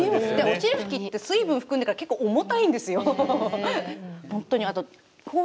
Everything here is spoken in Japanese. おしりふきって水分含んでるから結構、重たいんですよ。